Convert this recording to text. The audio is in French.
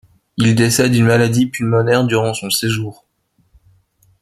Il décède d'une maladie pulmonaire durant son séjour.